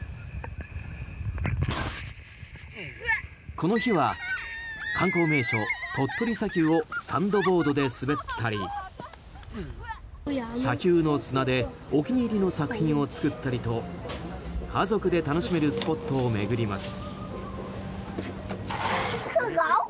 この日は観光名所、鳥取砂丘をサンドボードで滑ったり砂丘の砂でお気に入りの作品を作ったりと家族で楽しめるスポットを巡ります。